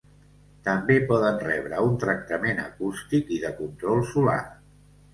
També poden rebre un tractament acústic i de control solar.